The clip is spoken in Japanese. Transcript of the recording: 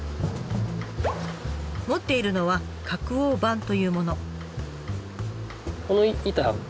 持っているのは「隔王板」というもの。